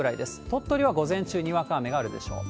鳥取は午前中、にわか雨があるでしょう。